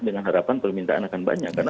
dengan harapan permintaan akan banyak